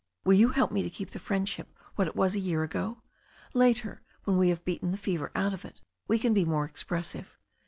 Will you help me to keep the friendship what it was a year ago? Later, when we have beaten the fever out of it, we can be more ex pressive.